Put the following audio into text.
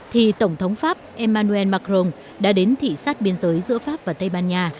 thì tổng thống pháp emmanuel macron đã đến thị sát biên giới giữa pháp và tây ban nha